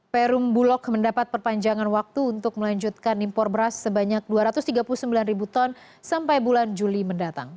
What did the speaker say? perum bulog mendapat perpanjangan waktu untuk melanjutkan impor beras sebanyak dua ratus tiga puluh sembilan ribu ton sampai bulan juli mendatang